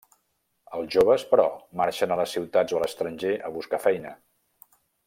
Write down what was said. Els joves, però, marxen a les ciutats o a l'estranger a buscar feina.